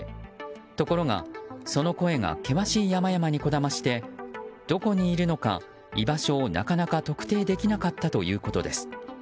ところが、その声が険しい山々にこだましてどこにいるのか居場所をなかなか特定できなかったということです。